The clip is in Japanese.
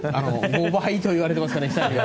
５倍といわれていますから。